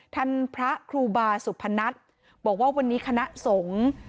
ท่านพระครูบาสุพนัทบอกว่าวันนี้คณะสงฆ์